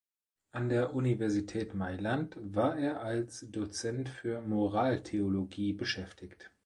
An der Universität Mailand war er als Dozent für Moraltheologie beschäftigt.